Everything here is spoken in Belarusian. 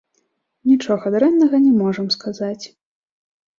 Нічога дрэннага не можам сказаць.